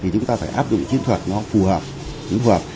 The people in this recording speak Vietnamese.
chúng ta phải áp dụng chiến thuật nó phù hợp